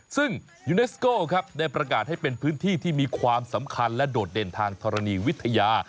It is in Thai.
ซึ่งยูเนสโก้ครับได้ประกาศให้เป็นพื้นที่ที่มีความสำคัญและโดดเด่นทางธรณีวิทยา